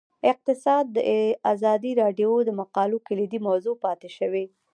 اقتصاد د ازادي راډیو د مقالو کلیدي موضوع پاتې شوی.